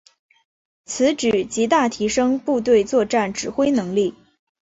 此举极大提升部队作战指挥能力。